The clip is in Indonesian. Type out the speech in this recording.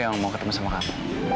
aida mau ketemu sama kamu